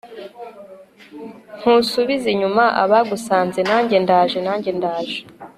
ntusubiza inyuma abagusanze; nanjye ndaje, nanjye ndaje